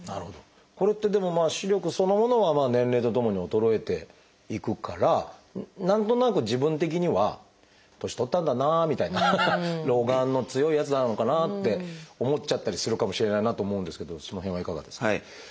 これってでもまあ視力そのものは年齢とともに衰えていくから何となく自分的には年取ったんだなみたいな老眼の強いやつなのかなって思っちゃったりするかもしれないなと思うんですけどその辺はいかがですか？